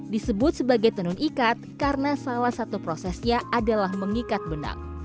disebut sebagai tenun ikat karena salah satu prosesnya adalah mengikat benang